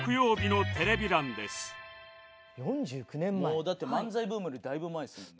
もうだって漫才ブームよりだいぶ前ですもんね。